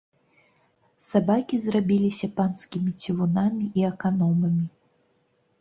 Сабакі зрабіліся панскімі цівунамі і аканомамі.